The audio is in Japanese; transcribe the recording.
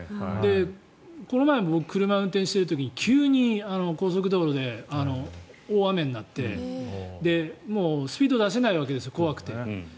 この前僕、車を運転している時に急に高速道路で大雨になってスピードを出せないわけですよ怖くて。